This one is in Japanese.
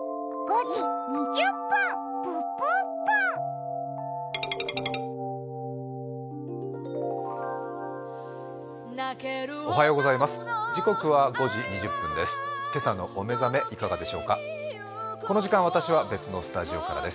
時刻は５時２０分です。